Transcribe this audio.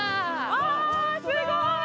わあすごい！